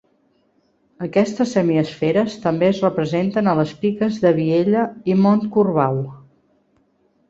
Aquestes semiesferes també es representen a les piques de Vielha i Montcorbau.